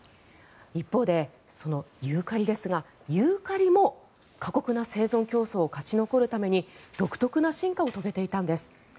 一方で、そのユーカリですがユーカリも過酷な生存競争を勝ち残るために独特の進化を遂げていたんです。